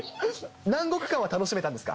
南国感は楽しめたんですか？